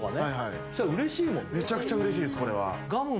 めちゃくちゃうれしいですこれは。